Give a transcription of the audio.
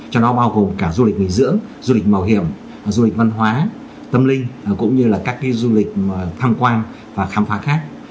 trong đó bao gồm cả du lịch nghỉ dưỡng du lịch mạo hiểm du lịch văn hóa tâm linh cũng như là các du lịch tham quan và khám phá khác